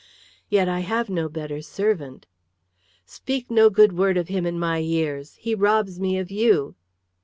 "Yet I have no better servant!" "Speak no good word of him in my ears! He robs me of you."